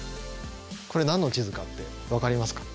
これ何の地図かって分かりますか？